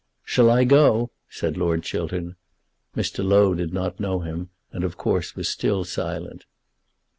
"Shall I go?" said Lord Chiltern. Mr. Low did not know him, and of course was still silent.